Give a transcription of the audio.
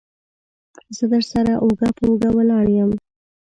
زه درسره اوږه په اوږه ولاړ يم.